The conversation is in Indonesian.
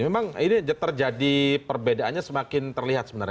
memang ini terjadi perbedaannya semakin terlihat sebenarnya